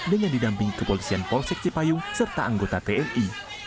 dengan didamping kepolisian polsek cepayung serta anggota tni